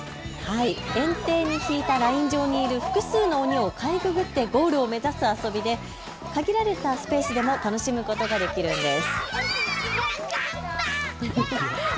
園庭に引いたライン上にいる複数の鬼をかいくぐってゴールを目指す遊びで限られたスペースでも楽しむことができるんです。